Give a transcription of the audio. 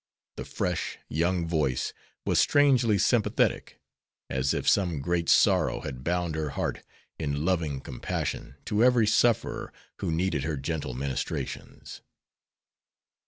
The fresh, young voice was strangely sympathetic, as if some great sorrow had bound her heart in loving compassion to every sufferer who needed her gentle ministrations.